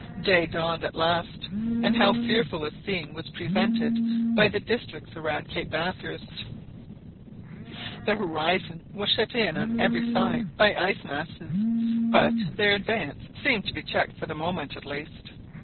Day dawned at last, and how fearful a scene was presented by the districts around Cape Bathurst! The horizon was shut in on every side by ice masses, but their advance appeared to be checked for the moment at least.